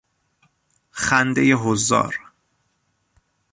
خندهی حضار